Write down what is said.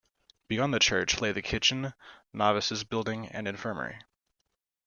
Beyond the church lay the kitchen, novices' building and infirmary.